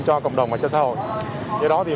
cho cộng đồng và cho xã hội